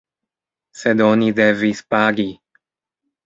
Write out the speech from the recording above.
Sed oni devis pagi.